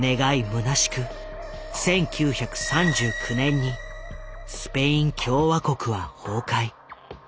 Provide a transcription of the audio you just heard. むなしく１９３９年にスペイン共和国は崩壊。